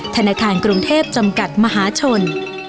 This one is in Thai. ธนาคารกรุงเทพจำกัดมหาชน